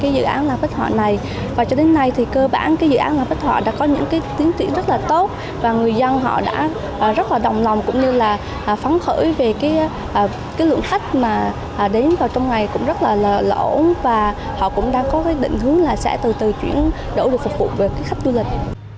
dự án làng bích họa này và cho đến nay thì cơ bản dự án làng bích họa đã có những tiến tiến rất là tốt và người dân họ đã rất là đồng lòng cũng như là phán khởi về cái lượng khách mà đến vào trong ngày cũng rất là lỗ và họ cũng đang có cái định hướng là sẽ từ từ chuyển đổi được phục vụ về khách du lịch